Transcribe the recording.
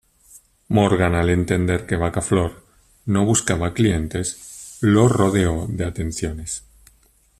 Morgan al entender que Baca-Flor no buscaba clientes lo rodeó de atenciones.